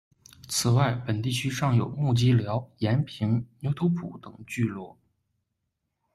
此外，本地区尚有木屐藔、延平、牛头埔等聚落。